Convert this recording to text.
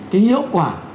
cái hiệu quả